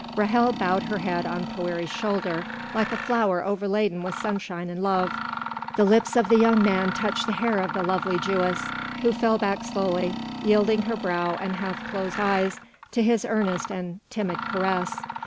Ra'hel bowed her head on Poëri's shoulder like a flower overladen with sunshine and love; the lips of the young man touched the hair of the lovely Jewess, who fell back slowly, yielding her brow and half closed eyes to his earnest and timid caress.